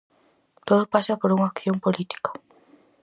Todo pasa por unha acción política.